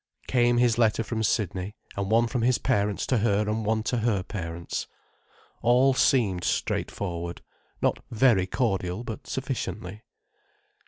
Came his letter from Sydney, and one from his parents to her and one to her parents. All seemed straightforward—not very cordial, but sufficiently.